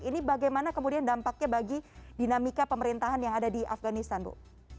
ini bagaimana kemudian dampaknya bagi dinamika pemerintahan yang ada di afganistan bu